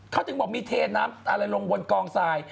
เขาจึงบอกมีเทน้ำอะไรลงบนกองทราย